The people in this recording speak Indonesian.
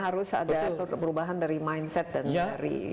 harus ada perubahan dari mindset dan dari